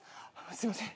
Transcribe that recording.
すいません。